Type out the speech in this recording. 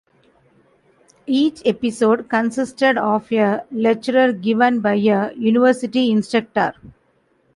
Each episode consisted of a lecture given by a university instructor.